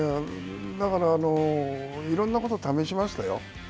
だから、いろんなことを試しましたよ。